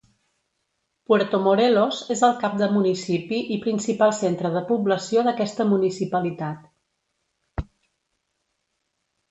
Puerto Morelos és el cap de municipi i principal centre de població d'aquesta municipalitat.